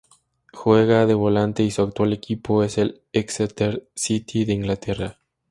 Juega de volante y su actual equipo es el Exeter City de Inglaterra.